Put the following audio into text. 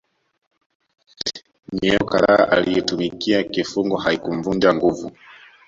Miongo kadhaa aliyotumikia kifungo haikumvunja nguvu